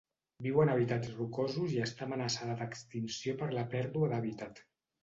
Viu en hàbitats rocosos i està amenaçada d'extinció per la pèrdua d'hàbitat.